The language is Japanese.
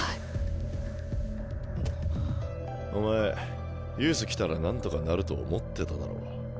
お前ユース来たらなんとかなると思ってただろ？